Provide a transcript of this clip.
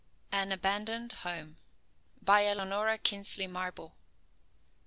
AN ABANDONED HOME. BY ELANORA KINSLEY MARBLE.